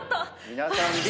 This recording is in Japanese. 皆さんＢ。